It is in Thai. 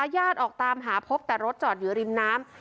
ออกตามหาพบแต่รถจอดอยู่ริมน้ำ